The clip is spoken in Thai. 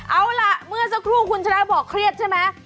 เอาล่ะเมื่อสักครู่คุณชนะบอกเครียดใช่ไหม